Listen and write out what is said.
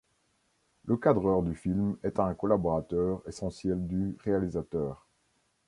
Le cadreur du film est un collaborateur essentiel du réalisateur.